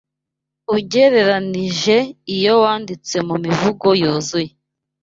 Ugereranije iyo wanditse mumivugo yuzuye